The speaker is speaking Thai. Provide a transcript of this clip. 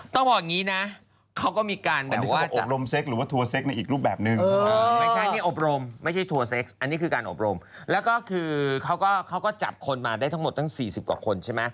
ต้องบอกอย่างงี้นะ